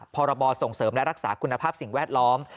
พรบส่งเสริมและรักษาคุณภาพสิ่งแวดล้อม